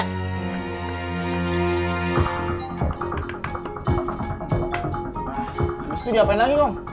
komis itu diapain lagi kong